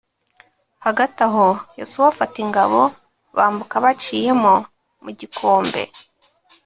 hagati aho yosuwa afata ingabo bambuka baciyemo mu gikombe